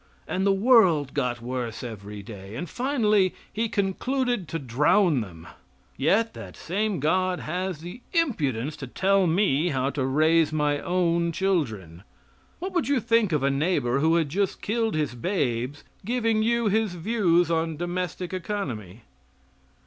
And the world got worse every day, and finally he concluded to drown them. Yet that same God has the impudence to tell me how to raise my own children. What would you think of a neighbor, who had just killed his babes giving you his views on domestic economy?